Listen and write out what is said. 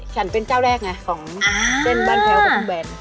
ฉันเป็นเจ้าแรกไงของเจ้นบาร์แพลปรุงแบน